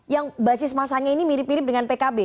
yang basis masanya ini mirip mirip dengan pkb